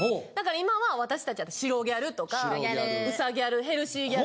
今は私達は白ギャルとかうさギャルヘルシーギャル。